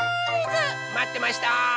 まってました！